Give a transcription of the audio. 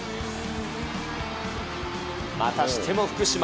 またしても福島。